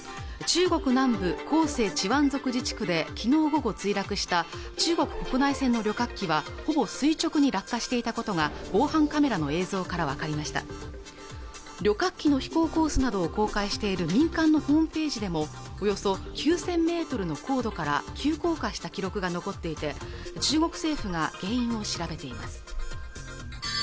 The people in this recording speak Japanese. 中国南部広西チワン族自治区できのう午後墜落した中国国内線の旅客機はほぼ垂直に落下していたことが防犯カメラの映像から分かりました旅客機の飛行コースなどを公開している民間のホームページでもおよそ９０００ｍの高度から急降下した記録が残っていて中国政府が原因を調べています